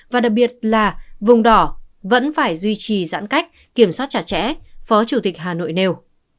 và đặc biệt là vùng đỏ vẫn phải duy trì giãn cách kiểm soát chặt chẽ phó chủ tịch hà nội nêu